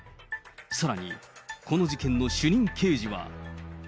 さらにこの事件の主任刑事は。